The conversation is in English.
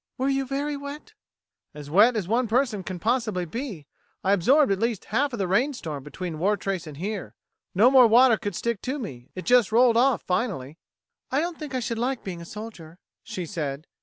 "Were you very wet!" "As wet as one person can possibly be. I absorbed at least half of the rainstorm between Wartrace and here. No more water would stick to me it just rolled off, finally." "I don't think I should like being a soldier," she said.